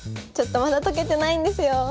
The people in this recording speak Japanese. ちょっとまだ解けてないんですよ。